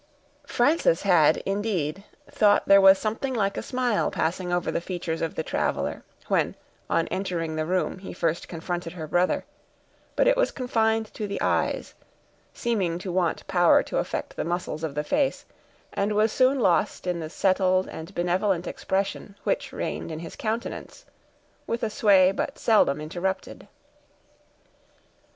Frances had, indeed, thought there was something like a smile passing over the features of the traveler, when, on entering the room, he first confronted her brother; but it was confined to the eyes, seeming to want power to affect the muscles of the face, and was soon lost in the settled and benevolent expression which reigned in his countenance, with a sway but seldom interrupted.